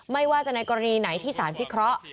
ไม่ว่าจะในกรณีไหนที่สารพิเคราะห์